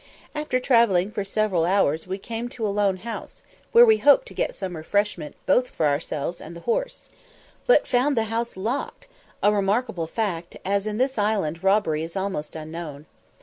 After travelling for several hours we came to a lone house, where we hoped to get some refreshment both for ourselves and the horse, but found the house locked, a remarkable fact, as in this island robbery is almost unknown.